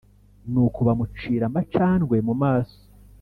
Nuko bamucira amacandwe mu maso